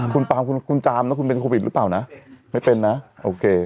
คุณปามคุณคุณจามนะคุณเป็นโควิดหรือเปล่านะไม่เป็นนะโอเค